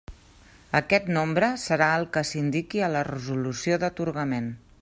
Aquest nombre serà el que s'indiqui a la resolució d'atorgament.